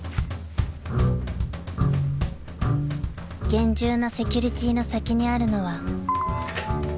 ［厳重なセキュリティーの先にあるのは］